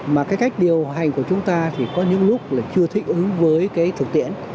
mà cái cách điều hành của chúng ta thì có những lúc là chưa thích ứng với cái thực tiễn